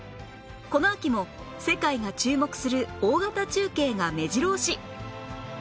この秋も世界が注目する大型中継が目白押し